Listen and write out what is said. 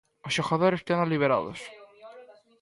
Os xogadores quedan liberados.